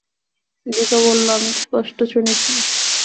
দিপা বলল, আমি স্পষ্ট শুনেছি।